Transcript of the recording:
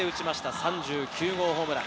３９号ホームラン。